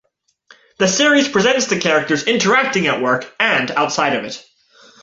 The series presents the characters interacting at work and outside of it.